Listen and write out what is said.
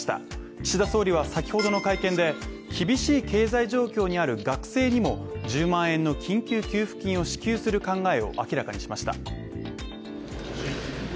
岸田総理は先ほどの会見で厳しい経済状況にある学生にも１０万円の緊急給付金を支給する考えを明らかにしました。